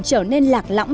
trở nên lạc lõng